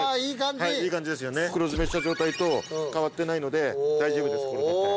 袋詰めした状態と変わってないので大丈夫ですこれだったら。